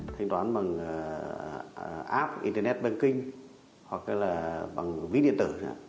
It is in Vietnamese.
thanh toán bằng app internet banking hoặc là bằng ví điện tử chẳng